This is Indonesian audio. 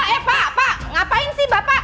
eh pak pak ngapain sih bapak